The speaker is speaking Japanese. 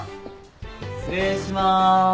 失礼します。